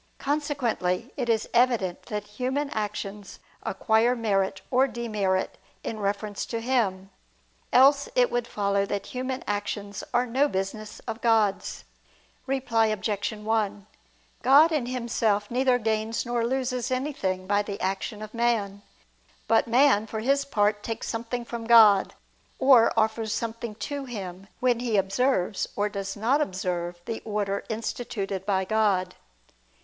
Consequently it is evident that human actions acquire merit or demerit in reference to Him: else it would follow that human actions are no business of God's. Reply Obj. 1: God in Himself neither gains nor loses anything by the action of man: but man, for his part, takes something from God, or offers something to Him, when he observes or does not observe the order instituted by God.